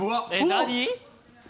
何？